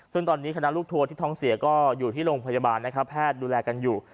ซึ่งตอนนี้คณะลูกทัวร์ที่ท้องเสียก็อยู่ที่โรงพยาบาลนะครับแพทย์ดูแลกันอยู่